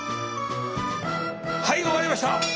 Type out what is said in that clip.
はい終わりました。